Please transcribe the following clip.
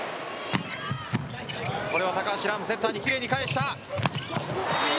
これは高橋藍セッターに奇麗に返した。